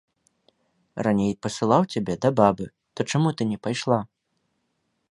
Раней пасылаў цябе да бабы, то чаму ты не пайшла?